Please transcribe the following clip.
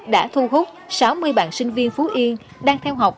đã thu hút sáu mươi bạn sinh viên phú yên đang theo học